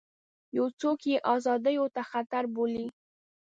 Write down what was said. یو څوک یې ازادیو ته خطر بولي.